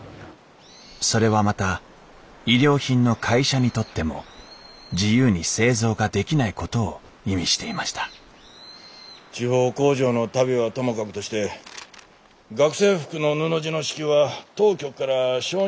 それはまた衣料品の会社にとっても自由に製造ができないことを意味していました地方工場の足袋はともかくとして学生服の布地の支給は当局から承認してもらえんらしんじゃ。